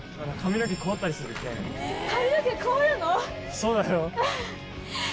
そうだよ。